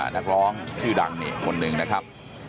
นักร้องชื่อดังนี่คนหนึ่งนะครับ